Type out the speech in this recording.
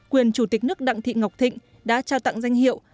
quyền chủ tịch nước đặng thị ngọc thịnh đã trao tặng danh hiệu